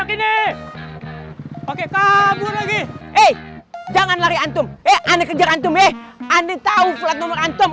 oke kabur lagi eh jangan lari antum eh ane kejar antum eh ande tahu pelat nomor antum